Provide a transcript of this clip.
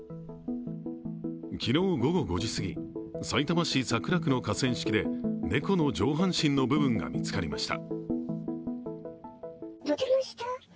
昨日午後５時過ぎ、さいたま市桜区の河川敷で猫の上半身の部分が見つかりました。